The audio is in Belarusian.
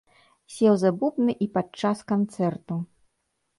Сеў за бубны і падчас канцэрту.